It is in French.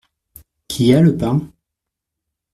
Qui a le pain ?